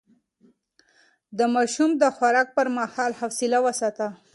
د ماشوم د خوراک پر مهال حوصله وساتئ.